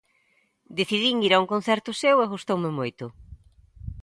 Decidín ir a un concerto seu e gustoume moito.